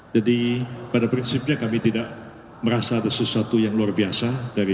jadi pada prinsipnya kami tidak merasa ada sesuatu yang luar biasa